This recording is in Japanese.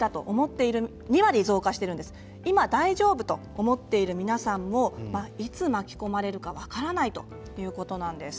今、大丈夫と思っている皆さんも、いつ巻き込まれるか分からないということなんです。